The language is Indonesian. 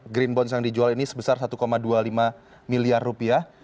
green bonds yang dijual ini sebesar satu dua puluh lima miliar rupiah